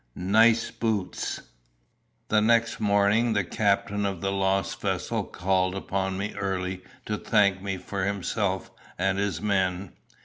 NICEBOOTS. The next morning the captain of the lost vessel called upon me early to thank me for himself and his men.